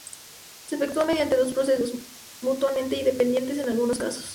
Se efectúa mediante dos procesos, mutuamente dependientes en algunos casos.